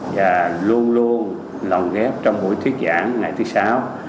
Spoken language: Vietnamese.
và luôn luôn lồng ghép trong buổi thuyết giảng ngày thứ sáu